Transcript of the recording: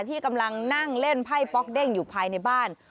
ที่กำลังนั่งเล่นไพ่ป๊อกเด้งอยู่ภายในบ้าน